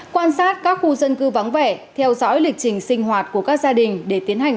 quan sát các khu dân cư vắng vẻ theo dõi lịch trình sinh hoạt của các gia đình để tiến hành